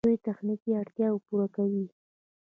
دوی تخنیکي اړتیاوې پوره کوي.